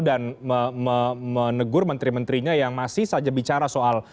dan menegur menteri menterinya yang masih saja bicara soal